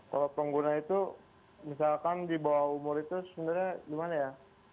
kalau pengguna itu misalkan di bawah umur itu sebenarnya gimana ya